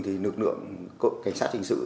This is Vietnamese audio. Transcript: thì lực lượng cảnh sát hình sự